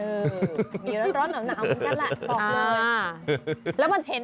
มีร้อนหนาวเหมือนกันแหละ